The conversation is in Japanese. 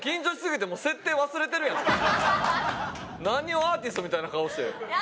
何をアーティストみたいな顔して。